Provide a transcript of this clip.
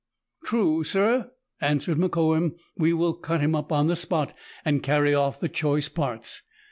" True, sir," answered Mokoum ;" we will cut him up on the spot, and carry off the choice parts.